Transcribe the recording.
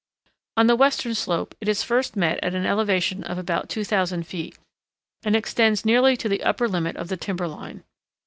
On the western slope it is first met at an elevation of about 2000 feet, and extends nearly to the upper limit of the timber line.